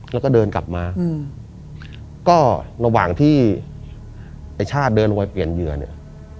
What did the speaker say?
แล้วก็เดินกลับมาอืมก็ระหว่างที่ไอ้ชาติเดินลงไปเปลี่ยนเหยื่อเนี่ย